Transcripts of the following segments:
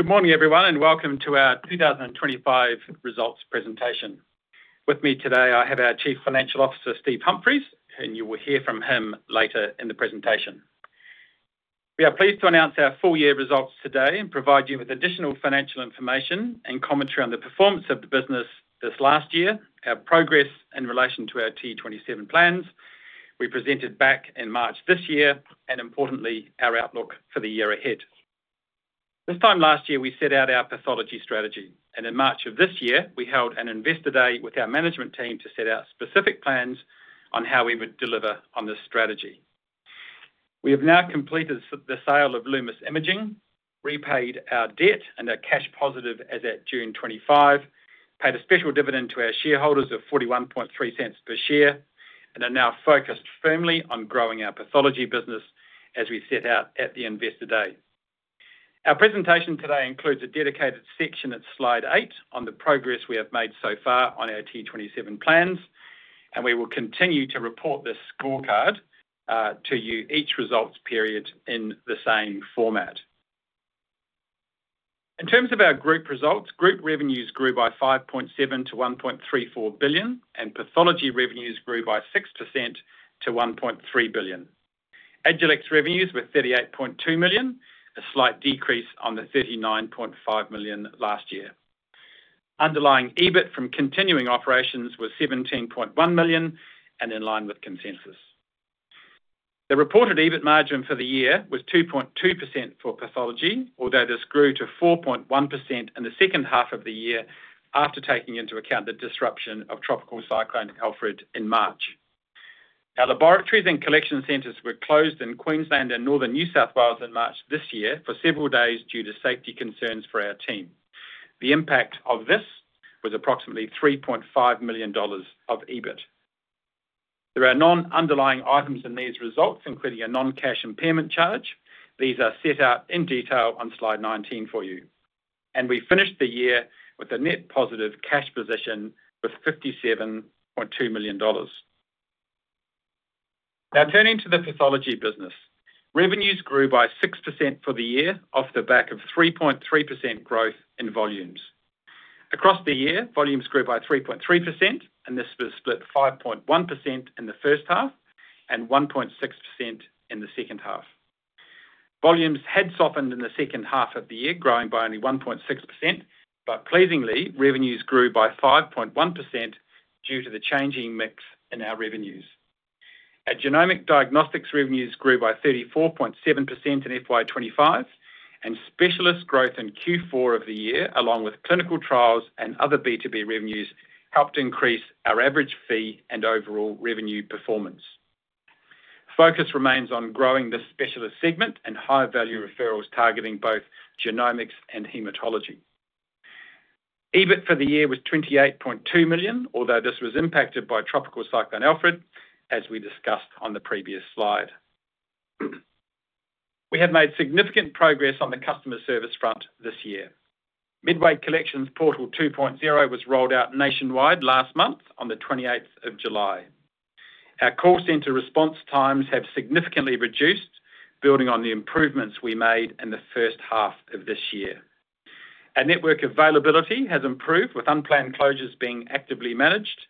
Good morning, everyone, and welcome to our 2025 results presentation. With me today, I have our Chief Financial Officer, Steve Humphries, and you will hear from him later in the presentation. We are pleased to announce our full-year results today and provide you with additional financial information and commentary on the performance of the business this last year, our progress in relation to our T27 plans we presented back in March this year, and importantly, our outlook for the year ahead. This time last year, we set out our pathology strategy, and in March of this year, we held an Investor Day with our management team to set out specific plans on how we would deliver on this strategy. We have now completed the sale of Lumus Imaging, repaid our debt, and are cash positive as at June 2025, paid a special dividend to our shareholders of 0.413 per share, and are now focused firmly on growing our pathology business as we set out at the Investor Day. Our presentation today includes a dedicated section at slide eight on the progress we have made so far on our T27 plans, and we will continue to report this scorecard to you each results period in the same format. In terms of our group results, group revenues grew by 5.7% to 1.34 billion, and pathology revenues grew by 6% to 1.3 billion. Agilex revenues were 38.2 million, a slight decrease on the 39.5 million last year. Underlying EBIT from continuing operations was 17.1 million, and in line with consensus. The reported EBIT margin for the year was 2.2% for pathology, although this grew to 4.1% in the second half of the year after taking into account the disruption of Tropical Cyclone Alfred in March. Our laboratories and collection centres were closed in Queensland and northern New South Wales in March this year for several days due to safety concerns for our team. The impact of this was approximately 3.5 million dollars of EBIT. There are non-underlying items in these results, including a non-cash impairment charge. These are set out in detail on slide 19 for you. We finished the year with a net positive cash position of 57.2 million dollars. Now turning to the pathology business, revenues grew by 6% for the year off the back of 3.3% growth in volumes. Across the year, volumes grew by 3.3%, and this was split 5.1% in the first half and 1.6% in the second half. Volumes had softened in the second half of the year, growing by only 1.6%, but pleasingly, revenues grew by 5.1% due to the changing mix in our revenues. Our Genomic Diagnostics revenues grew by 34.7% in FY 2025, and specialist growth in Q4 of the year, along with clinical trials and other B2B revenues, helped increase our average fee and overall revenue performance. Focus remains on growing the specialist segment and high-value referrals targeting both genomics and hematology. EBIT for the year was 28.2 million, although this was impacted by Tropical Cyclone Alfred, as we discussed on the previous slide. We have made significant progress on the customer service front this year. Midway Collections Portal 2.0 was rolled out nationwide last month on the 28th of July. Our call center response times have significantly reduced, building on the improvements we made in the first half of this year. Our network availability has improved with unplanned closures being actively managed,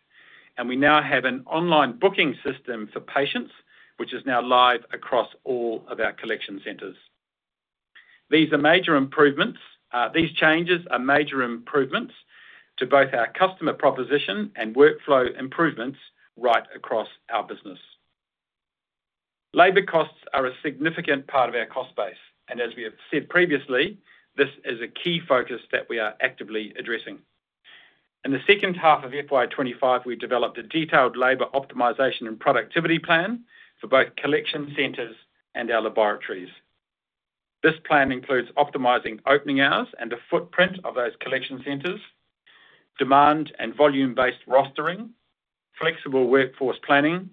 and we now have an online booking system for patients, which is now live across all of our collection centers. These are major improvements. These changes are major improvements to both our customer proposition and workflow improvements right across our business. Labor costs are a significant part of our cost base, and as we have said previously, this is a key focus that we are actively addressing. In the second half of FY 2025, we developed a detailed labor optimisation and productivity plan for both collection centers and our laboratories. This plan includes optimizing opening hours and the footprint of those collection centers, demand and volume-based rostering, flexible workforce planning,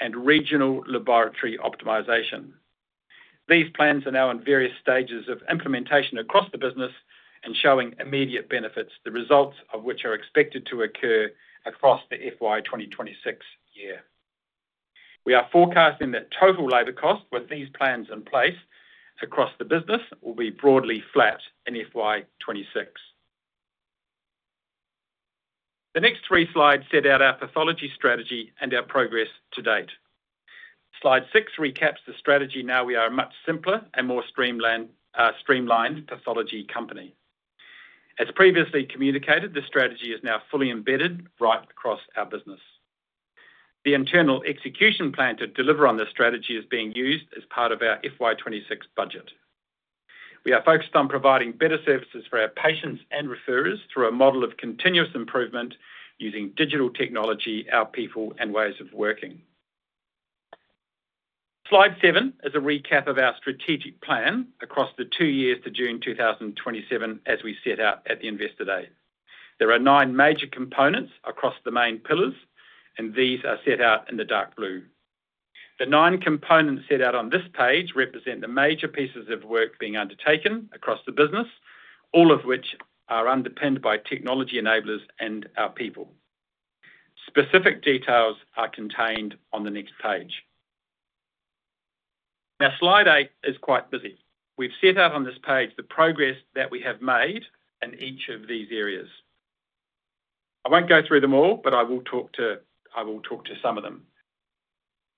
and regional laboratory optimisation. These plans are now in various stages of implementation across the business and showing immediate benefits, the results of which are expected to occur across the FY 2026 year. We are forecasting that total labor cost with these plans in place across the business will be broadly flat in FY 2026. The next three slides set out our pathology strategy and our progress to date. Slide six recaps the strategy. Now we are a much simpler and more streamlined pathology company. As previously communicated, the strategy is now fully embedded right across our business. The internal execution plan to deliver on this strategy is being used as part of our FY 2026 budget. We are focused on providing better services for our patients and referrers through a model of continuous improvement using digital technology, our people, and ways of working. Slide seven is a recap of our strategic plan across the two years to June 2027 as we set out at the Investor Day. There are nine major components across the main pillars, and these are set out in the dark blue. The nine components set out on this page represent the major pieces of work being undertaken across the business, all of which are underpinned by technology enablers and our people. Specific details are contained on the next page. Now, slide eight is quite busy. We've set out on this page the progress that we have made in each of these areas. I won't go through them all, but I will talk to some of them.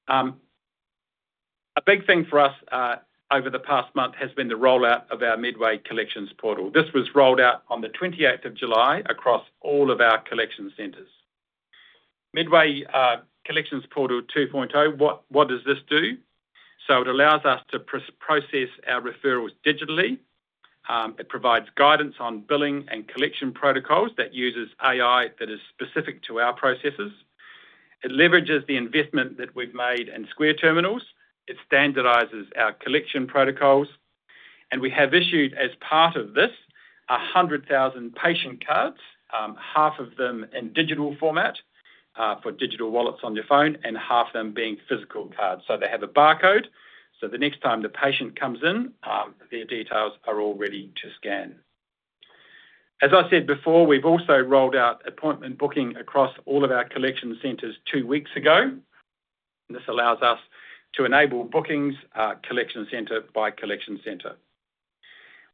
A big thing for us over the past month has been the rollout of our Midway Collections Portal. This was rolled out on the 28th of July across all of our collection centres. Midway Collections Portal 2.0, what does this do? It allows us to process our referrals digitally. It provides guidance on billing and collection protocols that use AI that is specific to our processes. It leverages the investment that we've made in Square Terminals. It standardizes our collection protocols. We have issued, as part of this, 100,000 patient cards, half of them in digital format for digital wallets on your phone and half of them being physical cards. They have a barcode. The next time the patient comes in, their details are all ready to scan. As I said before, we've also rolled out appointment booking across all of our collection centres two weeks ago. This allows us to enable bookings collection centre by collection centre.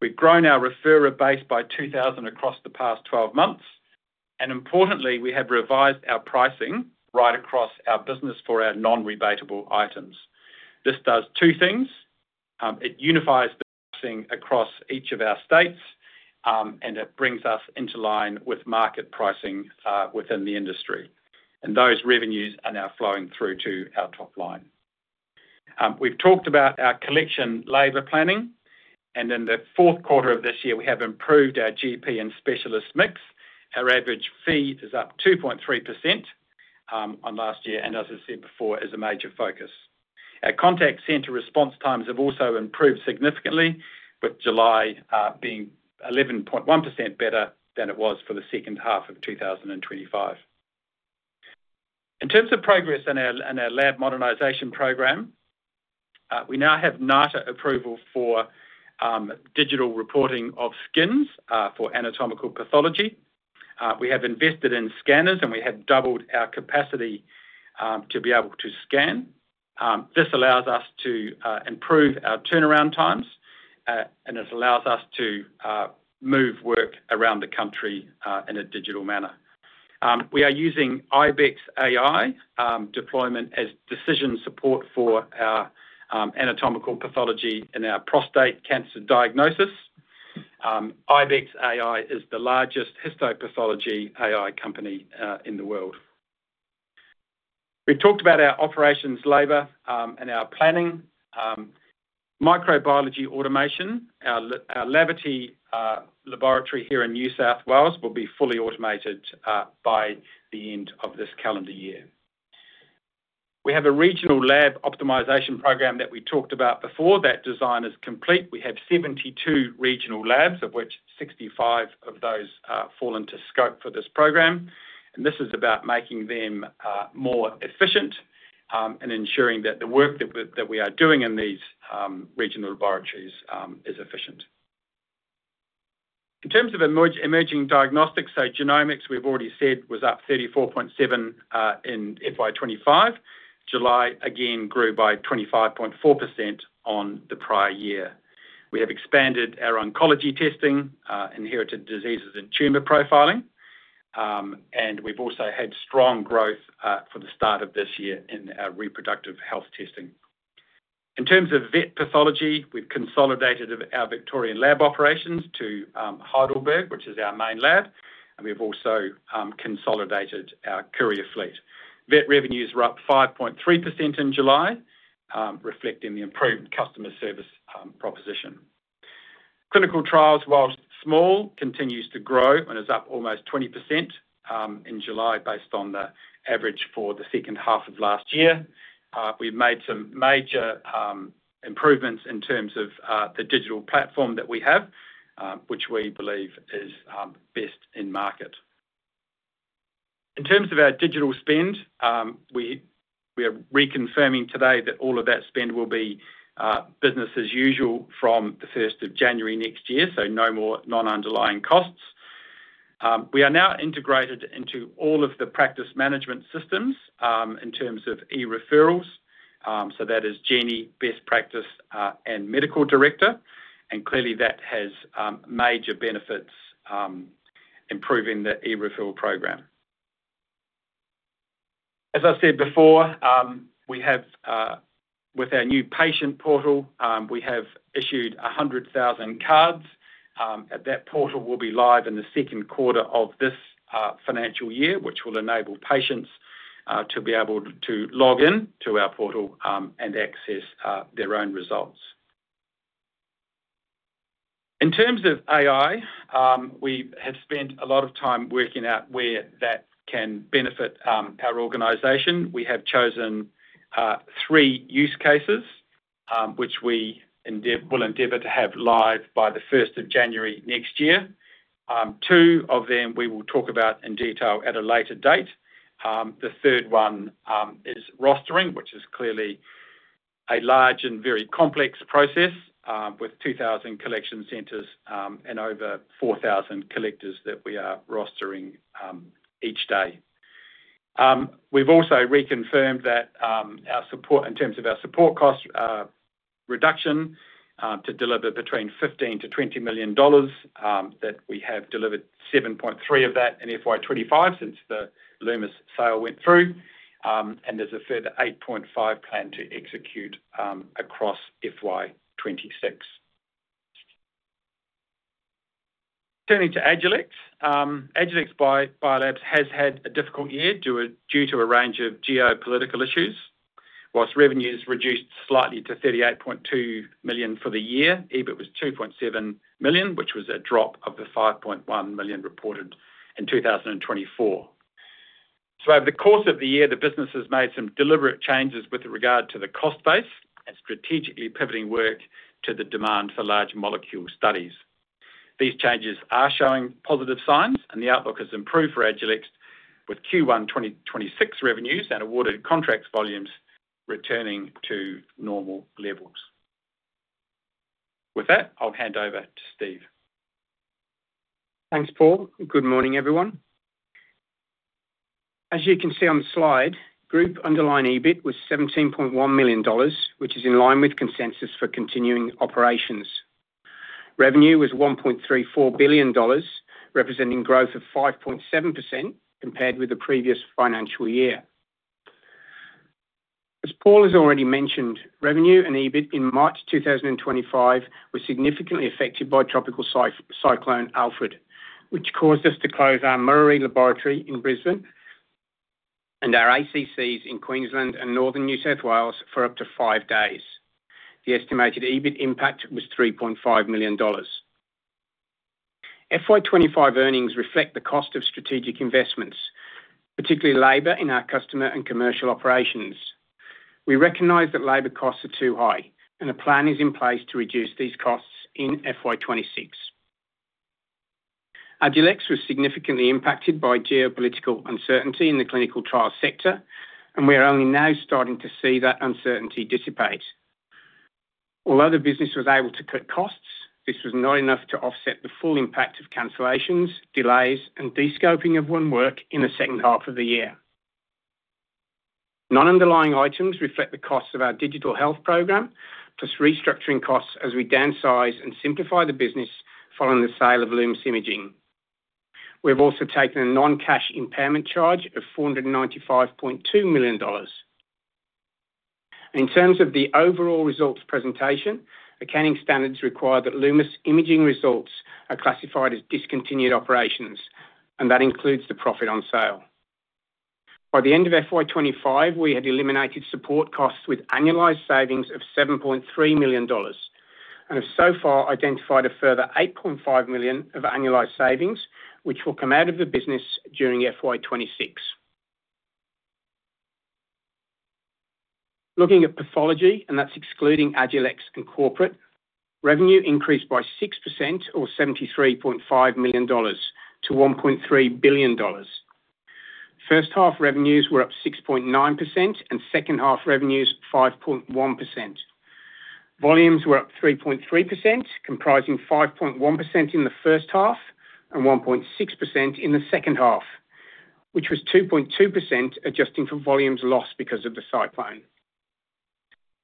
We've grown our referral base by 2,000 across the past 12 months. Importantly, we have revised our pricing right across our business for our non-rebatable items. This does two things. It unifies the pricing across each of our states, and it brings us into line with market pricing within the industry. Those revenues are now flowing through to our top line. We've talked about our collection labour planning. In the fourth quarter of this year, we have improved our GP and specialist mix. Our average fee is up 2.3% on last year, and as I said before, is a major focus. Our contact centre response times have also improved significantly, with July being 11.1% better than it was for the second half of 2025. In terms of progress in our lab modernisation programme, we now have NATA approval for digital reporting of skins for anatomical pathology. We have invested in scanners, and we have doubled our capacity to be able to scan. This allows us to improve our turnaround times, and it allows us to move work around the country in a digital manner. We are using IBEX AI deployment as decision support for our anatomical pathology in our prostate cancer diagnosis. IBEX AI is the largest histopathology AI company in the world. We've talked about our operations, labor, and our planning. Microbiology automation, our laboratory here in New South Wales, will be fully automated by the end of this calendar year. We have a regional laboratory optimization program that we talked about before that design is complete. We have 72 regional labs, of which 65 of those fall into scope for this program. This is about making them more efficient and ensuring that the work that we are doing in these regional laboratories is efficient. In terms of emerging diagnostics, so genomics, we've already said, was up 34.7% in FY 2025. July, again, grew by 25.4% on the prior year. We have expanded our oncology testing, inherited diseases, and tumor profiling. We've also had strong growth for the start of this year in our reproductive health testing. In terms of vet pathology, we've consolidated our Victorian lab operations to Heidelberg, which is our main lab. We've also consolidated our courier fleet. Vet revenues were up 5.3% in July, reflecting the improved customer service proposition. Clinical trials, while small, continue to grow and are up almost 20% in July based on the average for the second half of last year. We've made some major improvements in terms of the digital platform that we have, which we believe is best in market. In terms of our digital spend, we are reconfirming today that all of that spend will be business as usual from the 1st of January next year, so no more non-underlying costs. We are now integrated into all of the practice management systems in terms of e-referrals. That is Genie, Best Practice, and Medical Director. Clearly, that has major benefits improving the e-referral program. As I said before, with our new patient portal, we have issued 100,000 cards. That portal will be live in the second quarter of this financial year, which will enable patients to be able to log in to our portal and access their own results. In terms of AI, we have spent a lot of time working out where that can benefit our organization. We have chosen three use cases, which we will endeavor to have live by the 1st of January next year. Two of them we will talk about in detail at a later date. The third one is rostering, which is clearly a large and very complex process with 2,000 collection centres and over 4,000 collectors that we are rostering each day. We've also reconfirmed that our support, in terms of our support cost reduction, to deliver between 15 million-20 million dollars, that we have delivered 7.3% of that in FY 2025 since the Lumus sale went through. There's a further 8.5% planned to execute across FY 2026. Turning to Agilex, Agilex Biolabs has had a difficult year due to a range of geopolitical issues. Whilst revenues reduced slightly to 38.2 million for the year, EBIT was 2.7 million, which was a drop from the 5.1 million reported in 2024. Over the course of the year, the business has made some deliberate changes with regard to the cost base and strategically pivoting work to the demand for large molecule studies. These changes are showing positive signs, and the outlook has improved for Agilex with Q1 2026 revenues and awarded contracts volumes returning to normal levels. With that, I'll hand over to Steve. Thanks, Paul. Good morning, everyone. As you can see on the slide, group underlying EBIT was 17.1 million dollars, which is in line with consensus for continuing operations. Revenue was 1.34 billion dollars, representing growth of 5.7% compared with the previous financial year. As Paul has already mentioned, revenue and EBIT in March 2025 were significantly affected by Tropical Cyclone Alfred, which caused us to close our Murray Laboratory in Brisbane and our ACCs in Queensland and northern New South Wales for up to five days. The estimated EBIT impact was 3.5 million dollars. FY 2025 earnings reflect the cost of strategic investments, particularly labor in our customer and commercial operations. We recognize that labor costs are too high, and a plan is in place to reduce these costs in FY 2026. Agilex Biolabs was significantly impacted by geopolitical uncertainty in the clinical trials sector, and we are only now starting to see that uncertainty dissipate. Although the business was able to cut costs, this was not enough to offset the full impact of cancellations, delays, and de-scoping of one work in the second half of the year. Non-underlying items reflect the costs of our digital health program, plus restructuring costs as we downsize and simplify the business following the sale of Lumus Imaging. We have also taken a non-cash impairment charge of 495.2 million dollars. In terms of the overall results presentation, accounting standards require that Lumus Imaging results are classified as discontinued operations, and that includes the profit on sale. By the end of FY 2025, we had eliminated support costs with annualized savings of 7.3 million dollars and have so far identified a further 8.5 million of annualized savings, which will come out of the business during FY 2026. Looking at pathology, and that's excluding Agilex Biolabs and corporate, revenue increased by 6% or 73.5 million dollars to 1.3 billion dollars. First half revenues were up 6.9% and second half revenues 5.1%. Volumes were up 3.3%, comprising 5.1% in the first half and 1.6% in the second half, which was 2.2% adjusting for volumes lost because of the cyclone.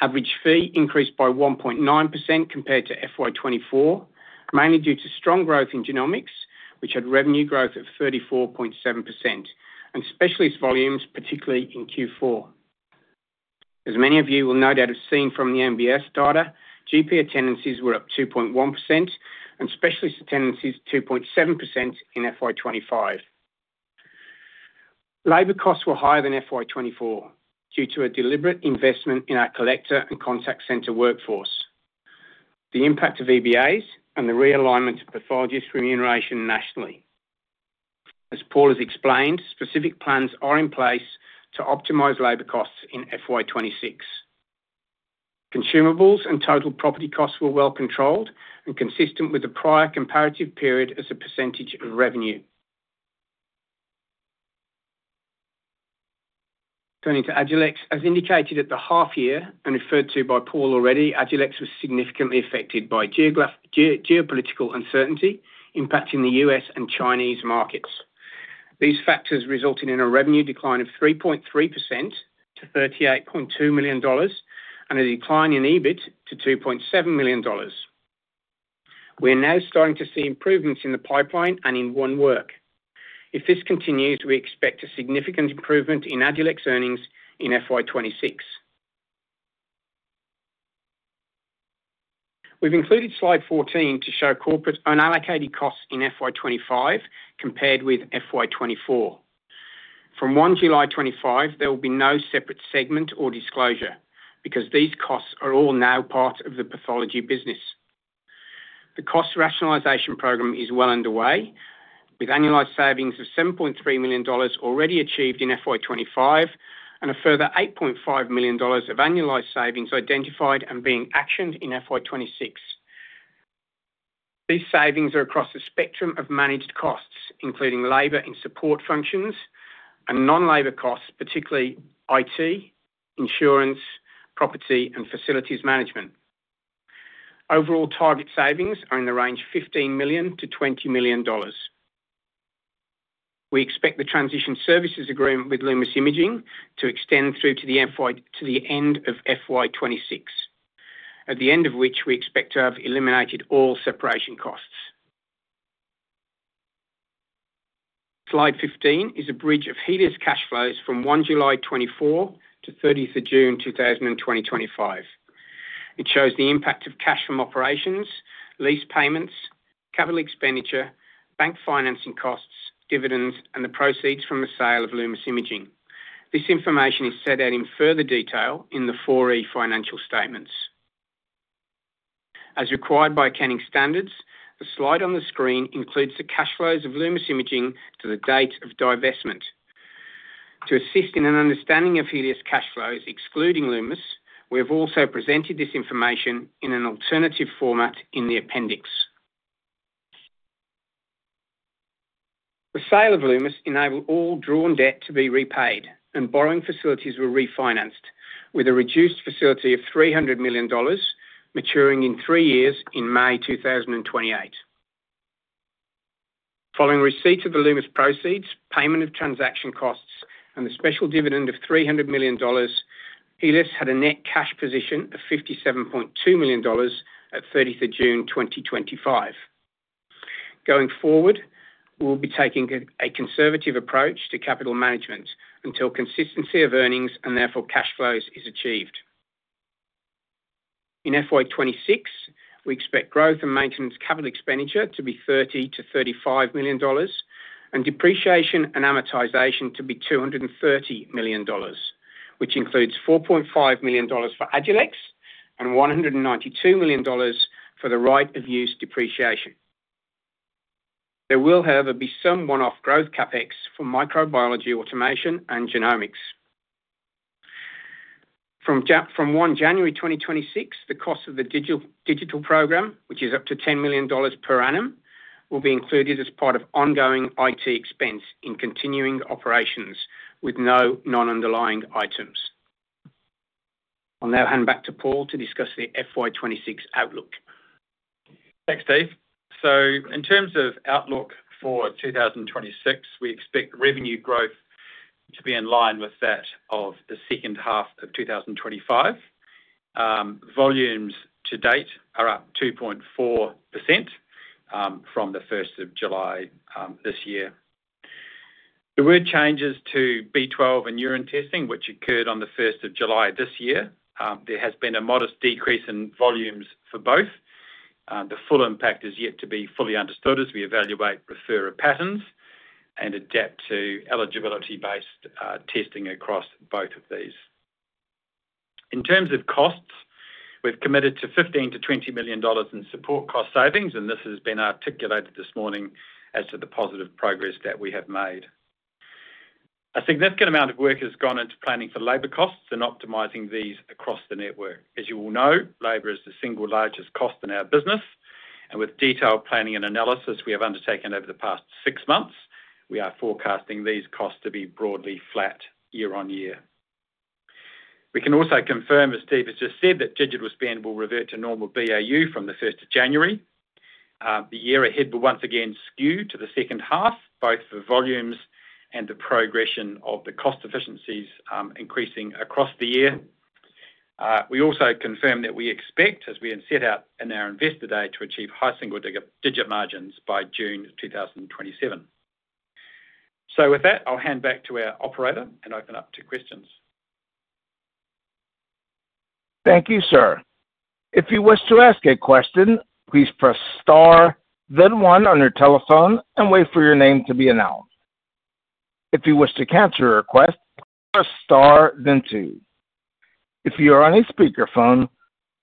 Average fee increased by 1.9% compared to FY 2024, mainly due to strong growth in genomics, which had revenue growth of 34.7%, and specialist volumes, particularly in Q4. As many of you will no doubt have seen from the MBS data, GP attendances were up 2.1% and specialist attendances 2.7% in FY 2025. Labor costs were higher than FY 2024 due to a deliberate investment in our collector and contact center workforce, the impact of EBAs, and the realignment of pathologist remuneration nationally. As Paul has explained, specific plans are in place to optimize labor costs in FY 2026. Consumables and total property costs were well controlled and consistent with the prior comparative period as a percentage of revenue. Turning to Agilex Biolabs, as indicated at the half year and referred to by Paul already, Agilex Biolabs was significantly affected by geopolitical uncertainty impacting the U.S. and Chinese markets. These factors resulted in a revenue decline of 3.3% to 38.2 million dollars and a decline in EBIT to 2.7 million dollars. We are now starting to see improvements in the pipeline and in one work. If this continues, we expect a significant improvement in Agilex Biolabs earnings in FY 2026. We've included slide 14 to show corporate unallocated costs in FY 2025 compared with FY 2024. From July 1, 2025, there will be no separate segment or disclosure because these costs are all now part of the pathology business. The cost rationalization program is well underway, with annualized savings of 7.3 million dollars already achieved in FY 2025 and a further 8.5 million dollars of annualized savings identified and being actioned in FY 2026. These savings are across a spectrum of managed costs, including labor in support functions and non-labor costs, particularly IT, insurance, property, and facilities management. Overall target savings are in the range of 15 million-20 million dollars. We expect the transition services agreement with Lumus Imaging to extend through to the end of FY 2026, at the end of which we expect to have eliminated all separation costs. Slide 15 is a bridge of Healius cash flows from July 1, 2024 to June 30, 2025. It shows the impact of cash from operations, lease payments, capital expenditure, bank financing costs, dividends, and the proceeds from the sale of Lumus Imaging. This information is set out in further detail in the 4E financial statements. As required by accounting standards, the slide on the screen includes the cash flows of Lumus Imaging to the date of divestment. To assist in an understanding of Healius cash flows excluding Lumus Imaging, we have also presented this information in an alternative format in the appendix. The sale of Lumus Imaging enabled all drawn debt to be repaid, and borrowing facilities were refinanced with a reduced facility of 300 million dollars, maturing in three years in May 2028. Following receipt of the Lumus proceeds, payment of transaction costs, and the special dividend of 300 million dollars, Healius had a net cash position of 57.2 million dollars at 30 June 2025. Going forward, we'll be taking a conservative approach to capital management until consistency of earnings and therefore cash flows is achieved. In FY 2026, we expect growth and maintenance capital expenditure to be 30 million-35 million dollars and depreciation and amortization to be 230 million dollars, which includes 4.5 million dollars for Agilex Biolabs and 192 million dollars for the right of use depreciation. There will, however, be some one-off growth CapEx for microbiology automation and genomics. From 1 January 2026, the cost of the digital program, which is up to 10 million dollars per annum, will be included as part of ongoing IT expense in continuing operations with no non-underlying items. I'll now hand back to Paul to discuss the FY 2026 outlook. Thanks, Steve. In terms of outlook for 2026, we expect revenue growth to be in line with that of the second half of 2025. Volumes to date are up 2.4% from the 1st of July this year. The word changes to B12 and urine testing, which occurred on the 1st of July this year. There has been a modest decrease in volumes for both. The full impact is yet to be fully understood as we evaluate referrer patterns and adapt to eligibility-based testing across both of these. In terms of costs, we've committed to 15 million-20 million dollars in support cost savings, and this has been articulated this morning as to the positive progress that we have made. A significant amount of work has gone into planning for labor costs and optimizing these across the network. As you all know, labor is the single largest cost in our business, and with detailed planning and analysis we have undertaken over the past six months, we are forecasting these costs to be broadly flat year on year. We can also confirm, as Steve has just said, that digital spend will revert to normal BAU from the 1st of January. The year ahead will once again skew to the second half, both for volumes and the progression of the cost efficiencies increasing across the year. We also confirm that we expect, as we have set out in our Investor Day, to achieve high single-digit margins by June 2027. With that, I'll hand back to our operator and open up to questions. Thank you, sir. If you wish to ask a question, please press star, then one on your telephone, and wait for your name to be announced. If you wish to cancel your request, press star, then two. If you are on a speakerphone,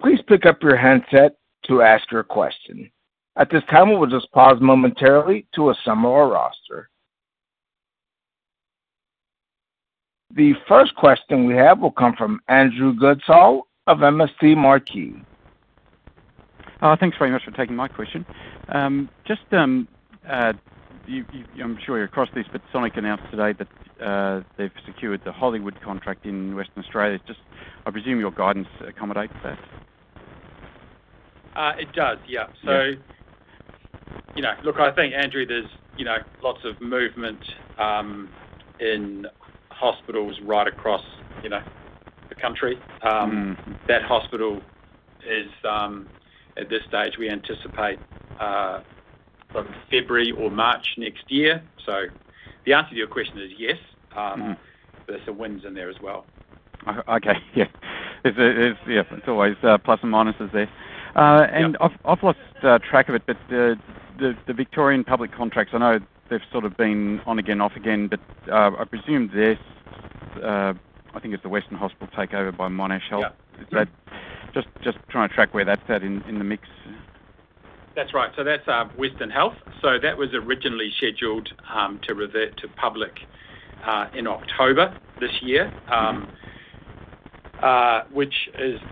please pick up your headset to ask your question. At this time, we will just pause momentarily to assemble our roster. The first question we have will come from Andrew Goodsall of MST Marquis. Thanks very much for taking my question. I'm sure you're across this, but Sonic announced today that they've secured the Hollywood contract in Western Australia. I presume your guidance accommodates this? It does, yeah. I think, Andrew, there's lots of movement in hospitals right across the country. That hospital is, at this stage, we anticipate from February or March next year. The answer to your question is yes, but there's some wins in there as well. Okay, yeah. It's always plus and minuses there. I've lost track of it, but the Victorian public contracts, I know they've sort of been on again, off again, but I presume this, I think it's the Western Hospital takeover by Monash Health. Is that just trying to track where that's at in the mix? That's right. That's Western Health. That was originally scheduled to revert to public in October this year, which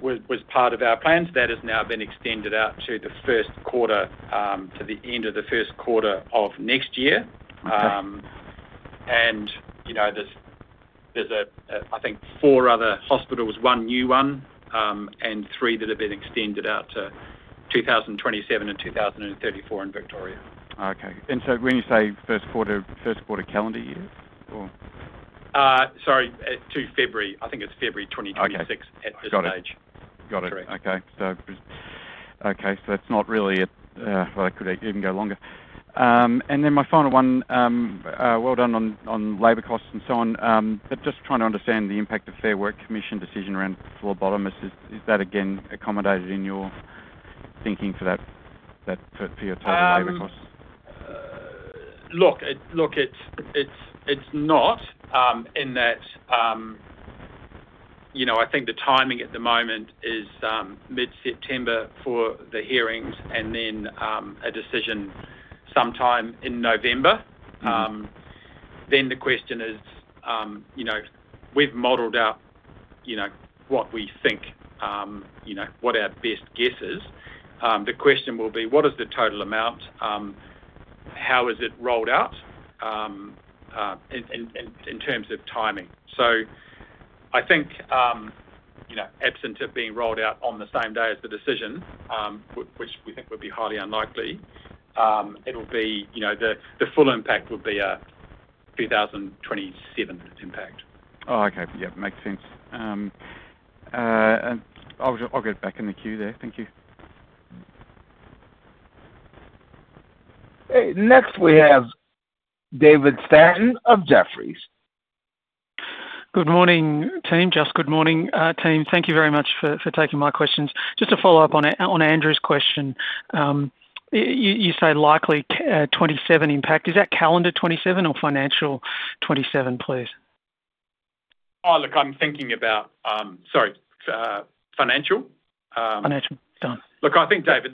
was part of our plans. That has now been extended out to the end of the first quarter of next year. I think four other hospitals, one new one, and three that have been extended out to 2027 and 2034 in Victoria. Okay. When you say first quarter, first quarter calendar year, or? Sorry, to February. I think it's February 2026 at this stage. Got it. Okay. That's not really a, it could even go longer. My final one, well done on labor costs and so on, but just trying to understand the impact of Fair Work Commission decision around phlebotomists. Is that again accommodated in your thinking for your labor costs? Look, it's not in that, I think the timing at the moment is mid-September for the hearings and then a decision sometime in November. The question is, we've modeled out what we think, what our best guess is. The question will be, what is the total amount? How is it rolled out in terms of timing? I think, absent of being rolled out on the same day as the decision, which we think would be highly unlikely, the full impact would be a 2027 impact. Oh, okay. Yeah, makes sense. I'll get back in the queue there. Thank you. Next, we have David Stan of Jefferies. Good morning, team. Thank you very much for taking my questions. Just to follow up on Andrew's question, you say likely 2027 impact. Is that calendar 2027 or financial 2027, please? I'm thinking about, sorry, financial. Financial, done. Look, I think, David,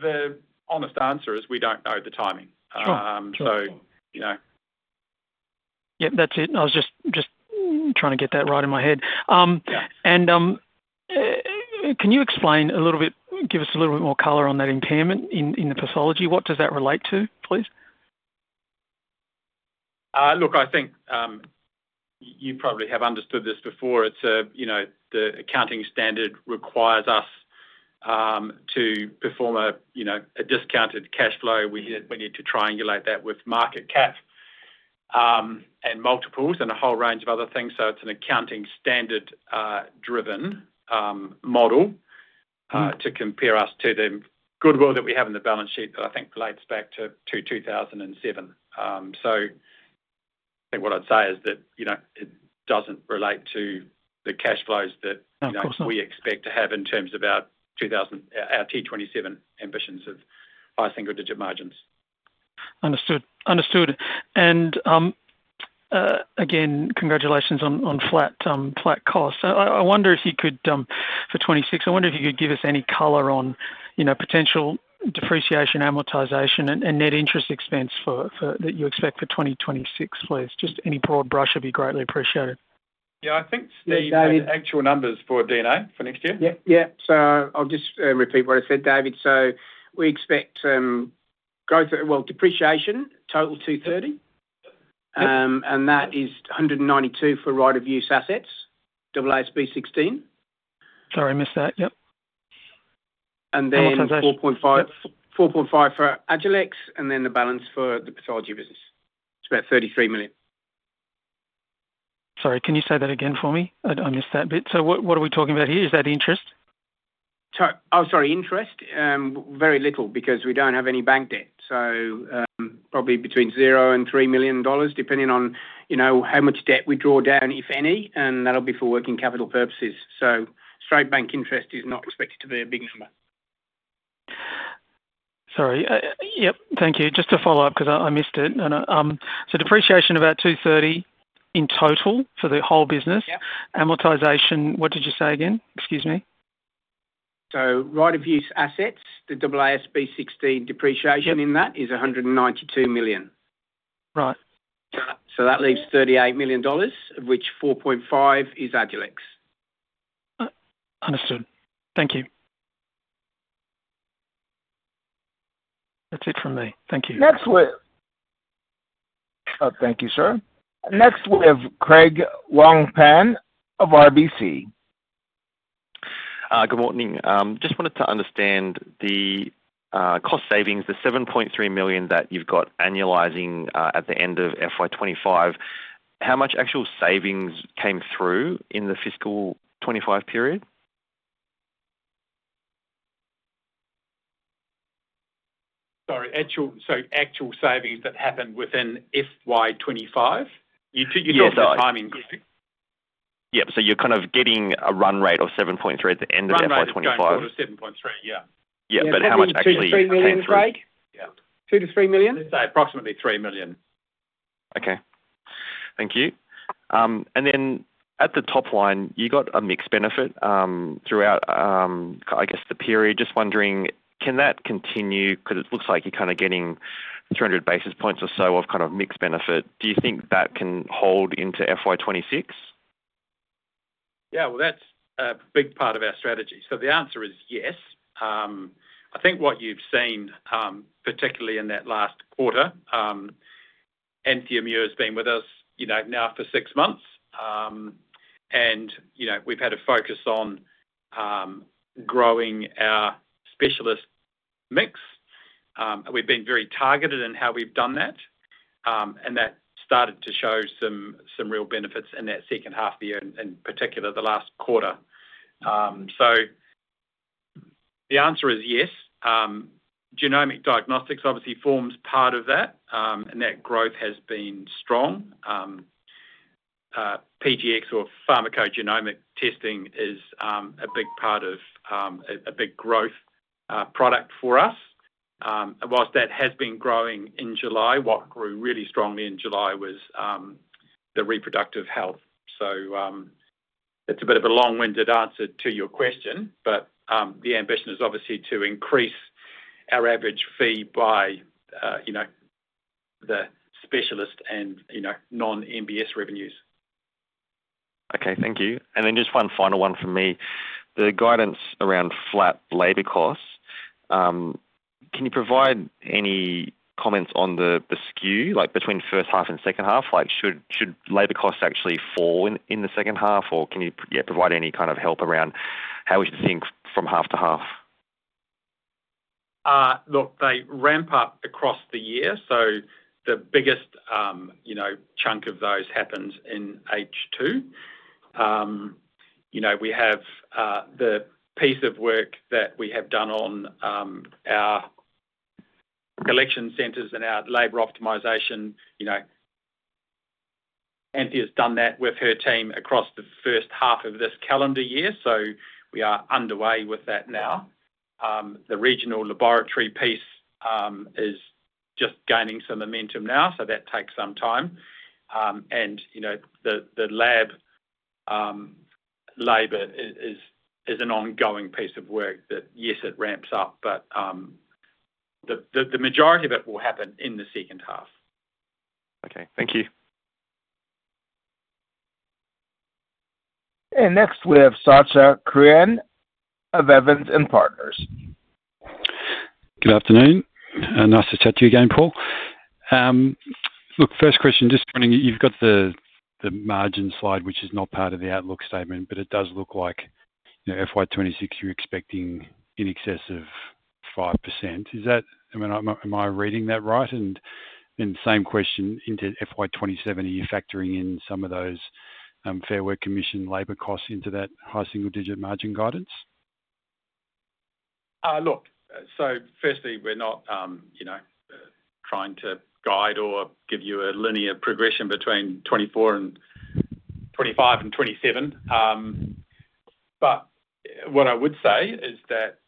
the honest answer is we don't know the timing. Yeah, that's it. I was just trying to get that right in my head. Can you explain a little bit, give us a little bit more color on that impairment in the pathology? What does that relate to, please? I think you probably have understood this before. The accounting standard requires us to perform a discounted cash flow. We need to triangulate that with market cap and multiples and a whole range of other things. It is an accounting standard-driven model to compare us to the goodwill that we have in the balance sheet that I think relates back to 2007. What I'd say is that it doesn't relate to the cash flows that we expect to have in terms of our T27 ambitions of high single-digit margins. Understood. Congratulations on flat costs. I wonder if you could, for 2026, give us any color on potential depreciation, amortization, and net interest expense that you expect for 2026, please. Any broad brush would be greatly appreciated. Yeah, I think, Steve, you need actual numbers for D&A for next year. I'll just repeat what I said, David. We expect growth, depreciation, total 230 million, and that is 192 million for right of use assets, AASB 16. Sorry, I missed that. Yep. It is 4.5 for Agilex Biolabs, and then the balance for the pathology business. It is about 33 million. Sorry, can you say that again for me? I missed that bit. What are we talking about here? Is that interest? Interest, very little because we don't have any bank debt. Probably between 0 million and 3 million dollars, depending on, you know, how much debt we draw down, if any, and that'll be for working capital purposes. Straight bank interest is not expected to be a big number. Thank you. Just to follow up because I missed it. Depreciation about 230 million in total for the whole business. Amortization, what did you say again? Excuse me. Right of use assets, the AASB 16 depreciation in that is 192 million. Right. That leaves 38 million dollars, of which 4.5 million is Agilex. Understood. Thank you. That's it from me. Thank you. Thank you, sir. Next we have Craig Wong Pan of RBC. Good morning. Just wanted to understand the cost savings, the 7.3 million that you've got annualizing at the end of FY 2025. How much actual savings came through in the fiscal 2025 period? Sorry, actual savings that happened within FY 2025? You talked about time increase. Yeah, you're kind of getting a run rate of 7.3 million at the end of FY 2025. Yeah, it was 7.3 million, yeah. Yeah, how much actually came through? 2 million-3 million? Yeah. 2 million-3 million? I'd say approximately 3 million. Okay. Thank you. At the top line, you got a mixed benefit throughout the period. Just wondering, can that continue? It looks like you're kind of getting 300 basis points or so of mixed benefit. Do you think that can hold into FY 2026? That's a big part of our strategy. The answer is yes. I think what you've seen, particularly in that last quarter, Anthea Muir has been with us now for six months. We've had a focus on growing our specialist mix. We've been very targeted in how we've done that, and that started to show some real benefits in that second half of the year, in particular the last quarter. The answer is yes. Genomic Diagnostics obviously forms part of that, and that growth has been strong. PGX or pharmacogenomic testing is a big growth product for us. Whilst that has been growing in July, what grew really strongly in July was the reproductive health. It's a bit of a long-winded answer to your question, but the ambition is obviously to increase our average fee by the specialist and non-MBS revenues. Okay, thank you. Just one final one from me. The guidance around flat labor costs, can you provide any comments on the skew, like between first half and second half? Should labor costs actually fall in the second half, or can you provide any kind of help around how we should think from half to half? Look, they ramp up across the year. The biggest, you know, chunk of those happens in H2. We have the piece of work that we have done on our collection centres and our labour optimisation. Anthea's done that with her team across the first half of this calendar year. We are underway with that now. The regional laboratory piece is just gaining some momentum now, so that takes some time. The lab labour is an ongoing piece of work that, yes, it ramps up, but the majority of it will happen in the second half. Okay, thank you. Next, we have Sacha Krien of Evans and Partners. Good afternoon. Nice to chat to you again, Paul. First question, just running it. You've got the margin slide, which is not part of the outlook statement, but it does look like, you know, FY 2026, you're expecting in excess of 5%. Is that, I mean, am I reading that right? Same question into FY 2027, are you factoring in some of those Fair Work Commission labor costs into that high single-digit margin guidance? Look, firstly, we're not trying to guide or give you a linear progression between 2024 and 2025 and 2027. What I would say is that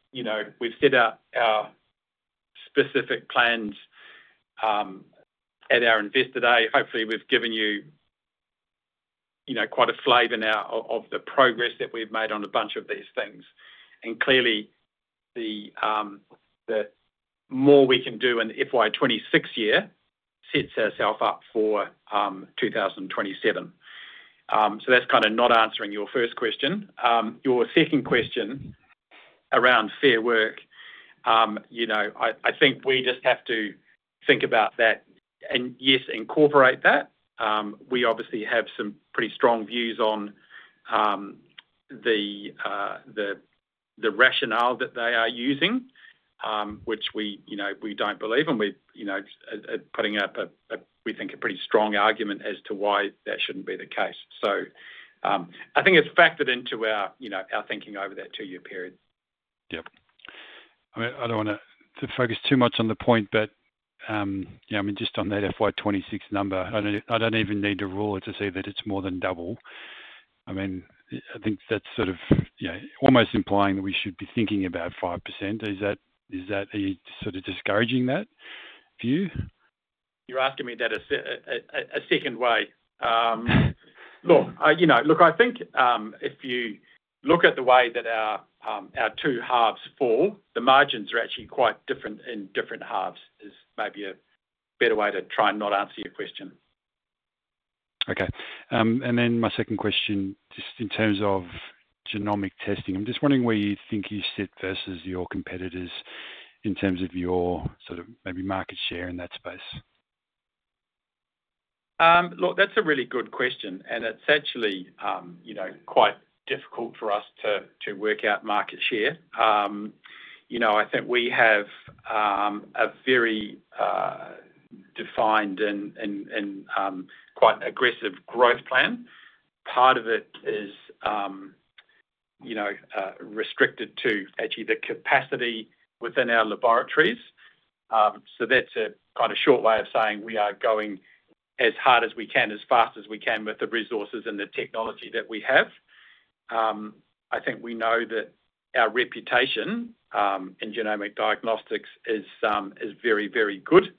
we've set out our specific plans at our Investor Day. Hopefully, we've given you quite a flavor now of the progress that we've made on a bunch of these things. Clearly, the more we can do in the FY 2026 year sets ourselves up for 2027. That's not answering your first question. Your second question around Fair Work, I think we just have to think about that and, yes, incorporate that. We obviously have some pretty strong views on the rationale that they are using, which we don't believe. We're putting up, we think, a pretty strong argument as to why that shouldn't be the case. I think it's factored into our thinking over that two-year period. I don't want to focus too much on the point, but just on that FY 2026 number, I don't even need a ruler to say that it's more than double. I think that's sort of almost implying that we should be thinking about 5%. Is that, are you sort of discouraging that view? You're asking me that a second way. I think if you look at the way that our two halves fall, the margins are actually quite different in different halves, is maybe a better way to try and not answer your question. Okay. My second question, just in terms of genomic testing, I'm just wondering where you think you sit versus your competitors in terms of your sort of maybe market share in that space. That's a really good question. It's actually quite difficult for us to work out market share. I think we have a very defined and quite aggressive growth plan. Part of it is restricted to the capacity within our laboratories. That's quite a short way of saying we are going as hard as we can, as fast as we can with the resources and the technology that we have. I think we know that our reputation in genomic diagnostics is very, very good.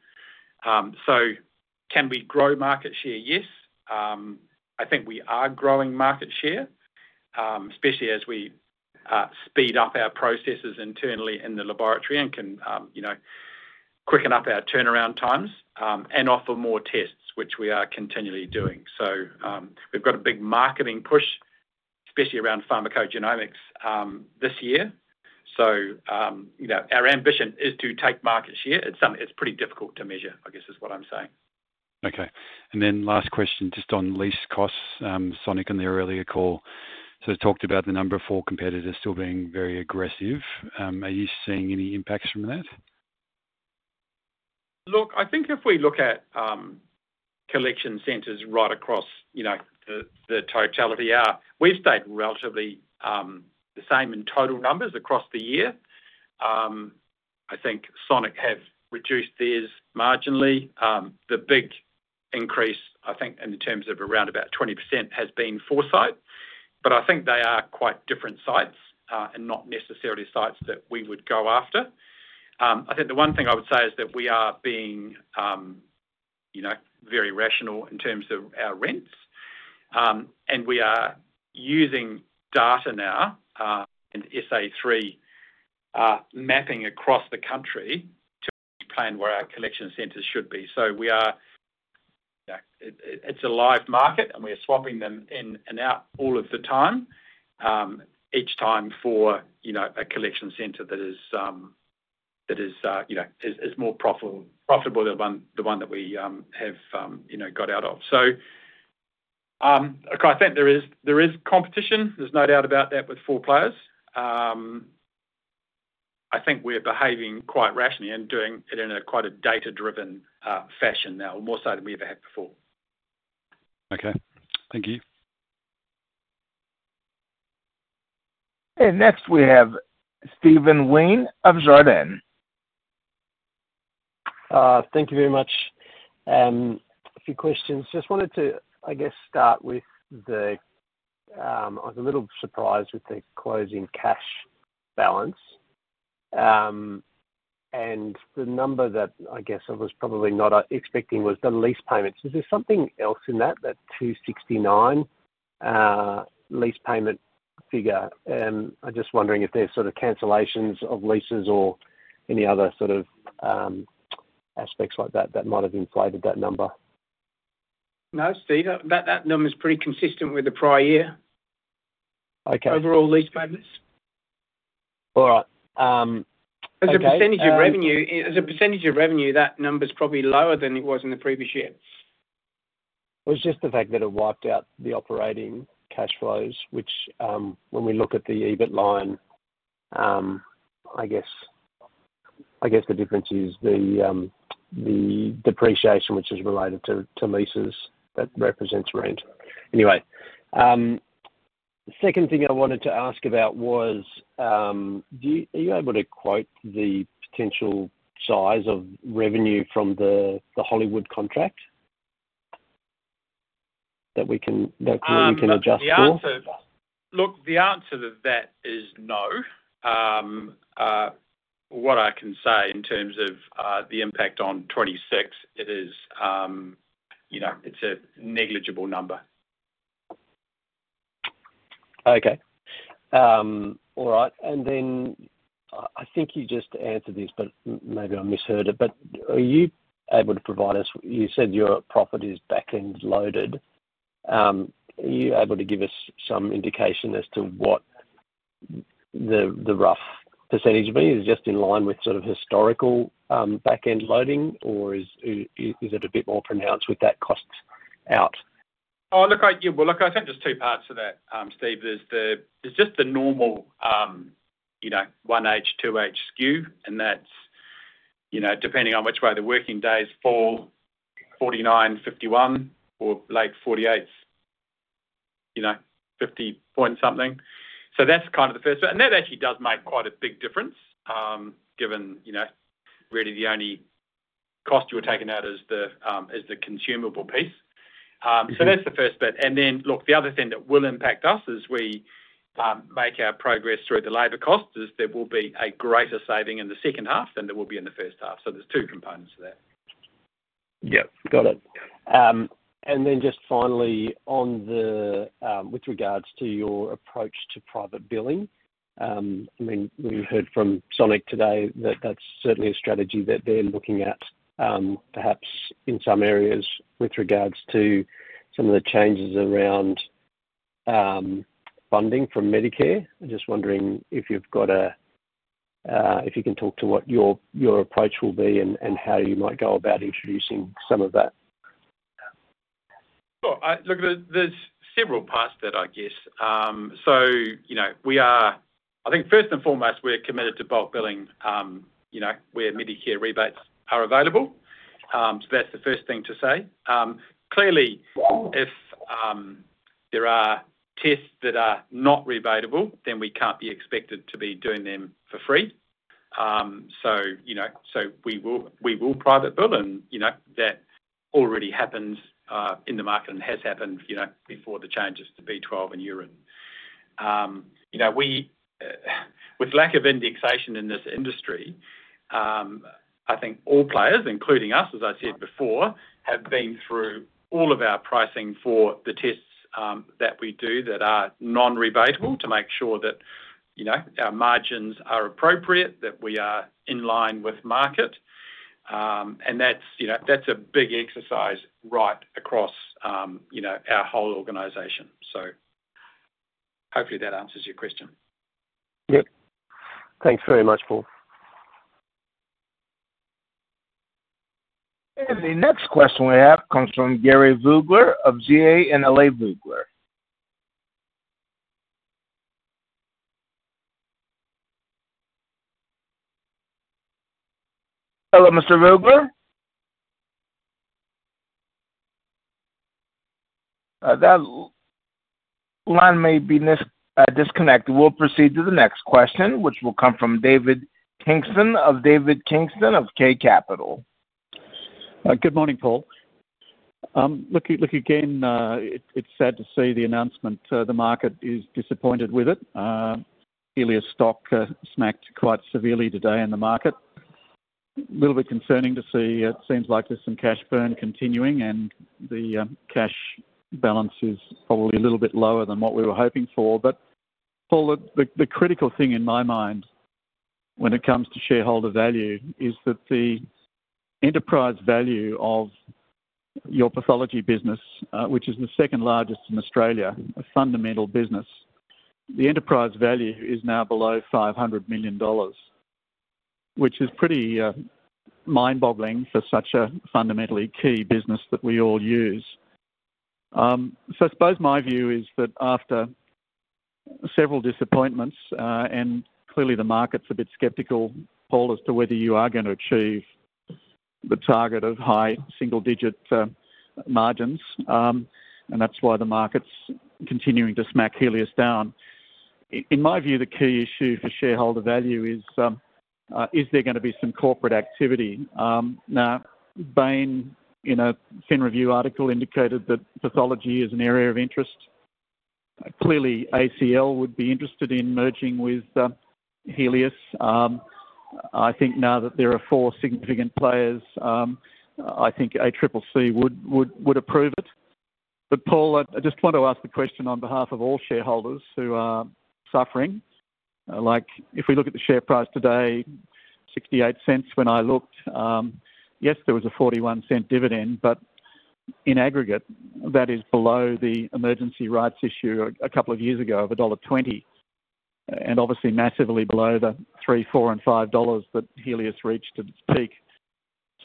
Can we grow market share? Yes. I think we are growing market share, especially as we speed up our processes internally in the laboratory and can quicken up our turnaround times and offer more tests, which we are continually doing. We've got a big marketing push, especially around pharmacogenomics this year. Our ambition is to take market share. It's pretty difficult to measure, I guess, is what I'm saying. Okay. Last question, just on lease costs. Sonic on the earlier call sort of talked about the number of four competitors still being very aggressive. Are you seeing any impacts from that? Look, I think if we look at collection centres right across, you know, the totality, we've stayed relatively the same in total numbers across the year. I think Sonic has reduced theirs marginally. The big increase, I think, in the terms of around about 20% has been Foresight. I think they are quite different sites and not necessarily sites that we would go after. The one thing I would say is that we are being, you know, very rational in terms of our rents. We are using data now and SA3 mapping across the country to plan where our collection centres should be. It's a live market and we're swapping them in and out all of the time, each time for a collection centre that is more profitable than the one that we have got out of. I think there is competition. There's no doubt about that with four players. I think we're behaving quite rationally and doing it in quite a data-driven fashion now, more so than we ever have before. Okay, thank you. Next, we have Steve Wheen of Jarden. Thank you very much. A few questions. Just wanted to, I guess, start with the, I was a little surprised with the closing cash balance. The number that I guess I was probably not expecting was the lease payments. Is there something else in that, that 269 million lease payment figure? I'm just wondering if there's cancellations of leases or any other aspects like that that might have inflated that number. No, Steve, that number is pretty consistent with the prior year. Overall lease payments. All right. As a percentage of revenue, that number's probably lower than it was in the previous year. It was just the fact that it wiped out the operating cash flows, which when we look at the EBIT line, I guess the difference is the depreciation, which is related to leases that represents rent. Anyway, the second thing I wanted to ask about was, are you able to quote the potential size of revenue from the Hollywood contract that we can adjust for? The answer to that is no. What I can say in terms of the impact on 2026, it's a negligible number. All right. I think you just answered this, but maybe I misheard it. Are you able to provide us, you said your profit is backend loaded. Are you able to give us some indication as to what the rough percentage of it is just in line with sort of historical backend loading, or is it a bit more pronounced with that cost out? Look, I think there's two parts to that, Steve. There's just the normal, you know, 1H, 2H skew. That's, you know, depending on which way the working days fall, 49, 51, or late 48s, you know, 50 point something. That's kind of the first bit. That actually does make quite a big difference, given, you know, really the only cost you're taking out is the consumable piece. That's the first bit. The other thing that will impact us as we make our progress through the labour costs is there will be a greater saving in the second half than there will be in the first half. There's two components to that. Got it. Finally, with regards to your approach to private billing, we heard from Sonic today that that's certainly a strategy that they're looking at, perhaps in some areas with regards to some of the changes around funding from Medicare. I'm just wondering if you've got a, if you can talk to what your approach will be and how you might go about introducing some of that. Sure. Look, there's several parts to that, I guess. We are, I think first and foremost, committed to bulk billing where Medicare rebates are available. That's the first thing to say. Clearly, if there are tests that are not rebatable, then we can't be expected to be doing them for free. We will private bill, and that already happens in the market and has happened before the changes to B12 and urine. With lack of indexation in this industry, I think all players, including us, as I said before, have been through all of our pricing for the tests that we do that are non-rebatable to make sure that our margins are appropriate, that we are in line with market. That's a big exercise right across our whole organization. Hopefully that answers your question. Yep, thanks very much, Paul. The next question we have comes from Gary Vogler of GA and LA Vogler. Hello, Mr. Vogler. That line may be disconnected. We'll proceed to the next question, which will come from David Kingston of K-Capital. Good morning, Paul. Look, again, it's sad to see the announcement. The market is disappointed with it. Healius stock smacked quite severely today in the market. A little bit concerning to see. It seems like there's some cash burn continuing, and the cash balance is probably a little bit lower than what we were hoping for. Paul, the critical thing in my mind when it comes to shareholder value is that the enterprise value of your pathology business, which is the second largest in Australia, a fundamental business, the enterprise value is now below 500 million dollars, which is pretty mind-boggling for such a fundamentally key business that we all use. I suppose my view is that after several disappointments, and clearly the market's a bit skeptical, Paul, as to whether you are going to achieve the target of high single-digit margins, and that's why the market's continuing to smack Healius down. In my view, the key issue for shareholder value is, is there going to be some corporate activity? Now, Bain, in a FIN review article, indicated that pathology is an area of interest. Clearly, ACL would be interested in merging with Healius. I think now that there are four significant players, I think ACCC would approve it. Paul, I just want to ask the question on behalf of all shareholders who are suffering. If we look at the share price today, 0.68 when I looked, yes, there was a 0.41 dividend, but in aggregate, that is below the emergency rights issue a couple of years ago of dollar 1.20 and obviously massively below the 3, 4, and 5 dollars that Healius reached at its peak.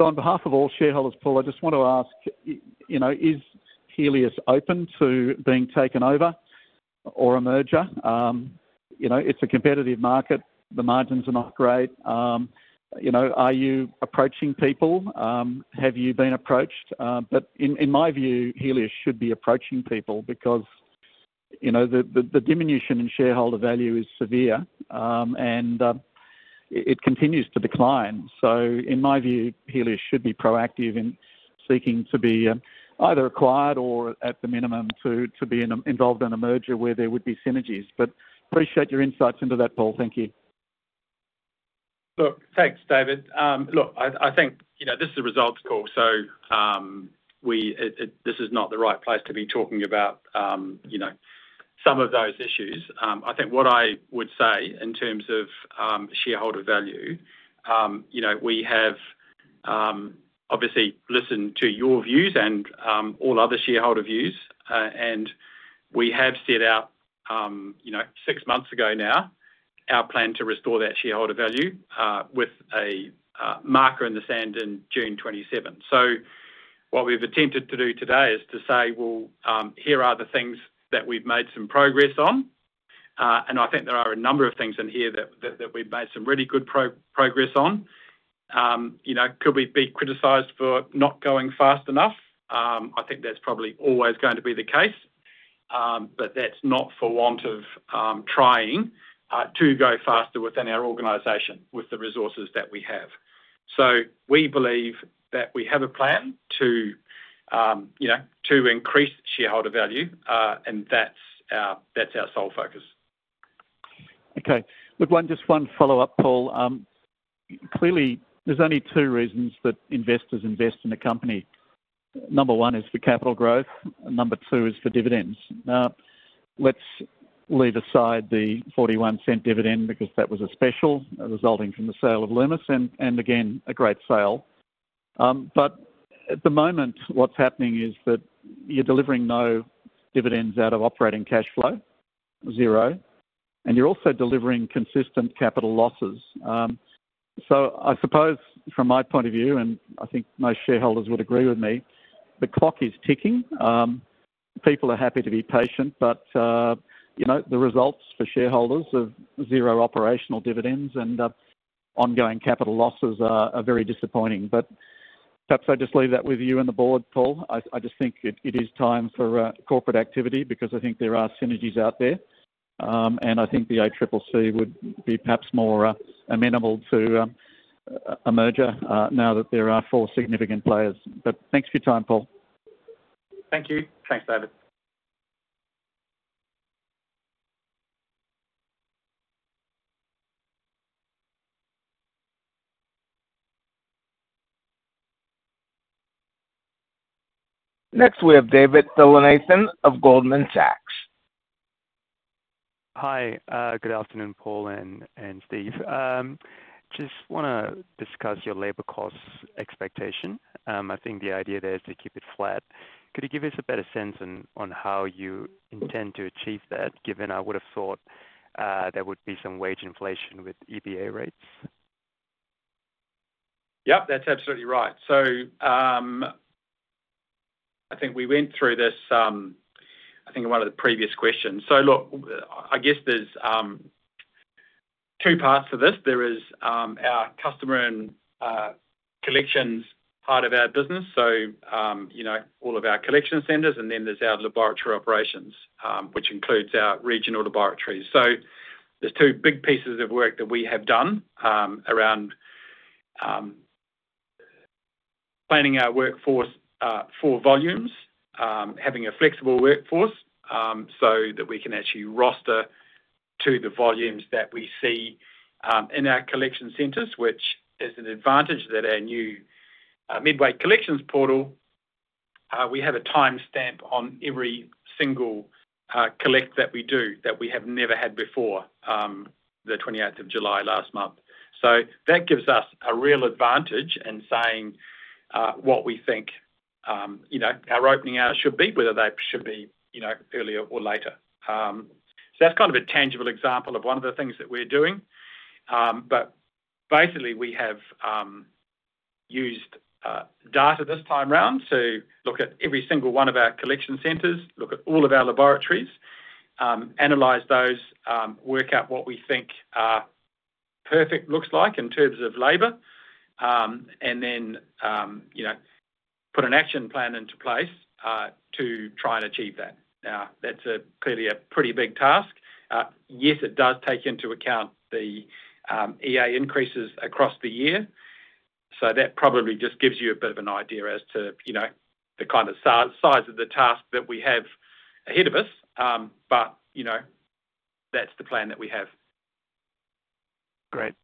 On behalf of all shareholders, Paul, I just want to ask, you know, is Healius open to being taken over or a merger? You know, it's a competitive market. The margins are not great. You know, are you approaching people? Have you been approached? In my view, Healius should be approaching people because, you know, the diminution in shareholder value is severe and it continues to decline. In my view, Healius should be proactive in seeking to be either acquired or at the minimum to be involved in a merger where there would be synergies. I appreciate your insights into that, Paul. Thank you. Look. Thanks, David. I think this is a results call. This is not the right place to be talking about some of those issues. I think what I would say in terms of shareholder value, we have obviously listened to your views and all other shareholder views, and we have set out, six months ago now, our plan to restore that shareholder value with a marker in the sand in June 2027. What we've attempted to do today is to say, here are the things that we've made some progress on. I think there are a number of things in here that we've made some really good progress on. Could we be criticized for not going fast enough? I think that's probably always going to be the case. That's not for want of trying to go faster within our organization with the resources that we have. We believe that we have a plan to increase shareholder value, and that's our sole focus. Okay. Look, just one follow-up, Paul. Clearly, there's only two reasons that investors invest in a company. Number one is for capital growth. Number two is for dividends. Now, let's leave aside the 0.41 dividend because that was a special resulting from the sale of Lumus Imaging and, again, a great sale. At the moment, what's happening is that you're delivering no dividends out of operating cash flow, zero, and you're also delivering consistent capital losses. I suppose from my point of view, and I think most shareholders would agree with me, the clock is ticking. People are happy to be patient, but you know, the results for shareholders of zero operational dividends and ongoing capital losses are very disappointing. Perhaps I just leave that with you and the board, Paul. I just think it is time for corporate activity because I think there are synergies out there. I think the ACCC would be perhaps more amenable to a merger now that there are four significant players. Thanks for your time, Paul. Thank you. Thanks, David. Next, we have Davinthra Thillanathan of Goldman Sachs. Hi. Good afternoon, Paul and Steve. Just want to discuss your labor cost expectation. I think the idea there is to keep it flat. Could you give us a better sense on how you intend to achieve that, given I would have thought there would be some wage inflation with EBA-driven rates? Yep, that's absolutely right. I think we went through this in one of the previous questions. I guess there's two parts to this. There is our customer and collections part of our business, all of our collection centres. Then there's our laboratory operations, which includes our regional laboratories. There are two big pieces of work that we have done around planning our workforce for volumes, having a flexible workforce so that we can actually roster to the volumes that we see in our collection centres, which is an advantage that our new Midway Collections Portal 2.0 gives us. We have a timestamp on every single collect that we do that we have never had before, the 28th of July last month. That gives us a real advantage in saying what we think our opening hours should be, whether they should be earlier or later. That's kind of a tangible example of one of the things that we're doing. Basically, we have used data this time round to look at every single one of our collection centres, look at all of our laboratories, analyze those, work out what we think perfect looks like in terms of labor, and then put an action plan into place to try and achieve that. That's clearly a pretty big task. Yes, it does take into account the EA increases across the year. That probably just gives you a bit of an idea as to the kind of size of the task that we have ahead of us. That's the plan that we have. Great.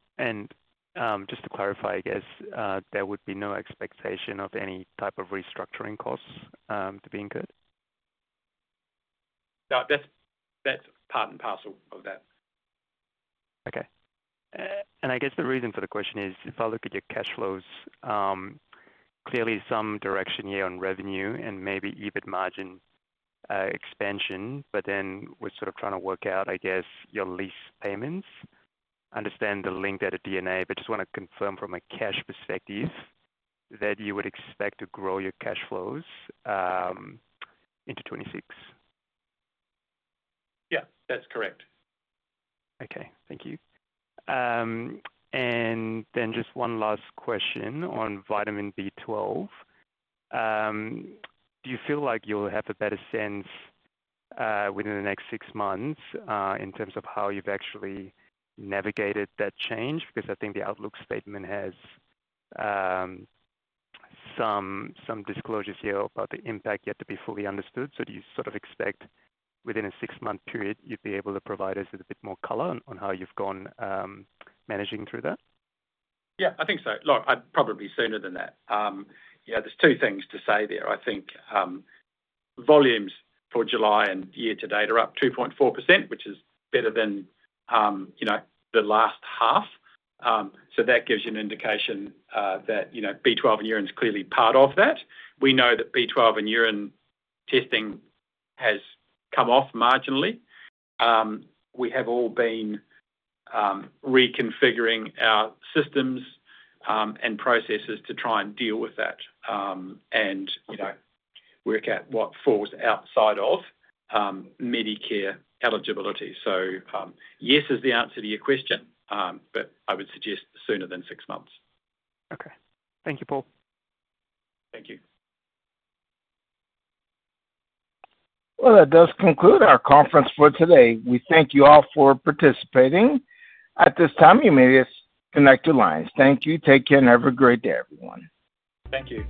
Just to clarify, I guess there would be no expectation of any type of restructuring costs to be incurred? No, that's part and parcel of that. Okay. I guess the reason for the question is if I look at your cash flows, clearly some direction here on revenue and maybe EBIT margin expansion, but we're sort of trying to work out your lease payments. I understand the link at D&A, but just want to confirm from a cash perspective that you would expect to grow your cash flows into 2026. Yeah, that's correct. Thank you. Just one last question on vitamin B12. Do you feel like you'll have a better sense within the next six months in terms of how you've actually navigated that change? I think the outlook statement has some disclosures here about the impact yet to be fully understood. Do you expect within a six-month period you'd be able to provide us with a bit more color on how you've gone managing through that? Yeah, I think so. Look, I'd probably be sooner than that. There are two things to say there. I think volumes for July and year to date are up 2.4%, which is better than the last half. That gives you an indication that B12 and urine is clearly part of that. We know that B12 and urine testing has come off marginally. We have all been reconfiguring our systems and processes to try and deal with that and work out what falls outside of Medicare eligibility. Yes is the answer to your question, but I would suggest sooner than six months. Okay, thank you, Paul. Thank you. That does conclude our conference for today. We thank you all for participating. At this time, you may disconnect your lines. Thank you. Take care and have a great day, everyone. Thank you.